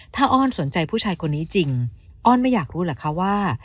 ถ้าอ้อนสนใจผู้ชายคนนี้จริงอ้อนไม่อยากรู้เหรอคะว่า